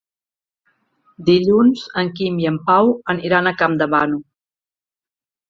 Dilluns en Quim i en Pau aniran a Campdevànol.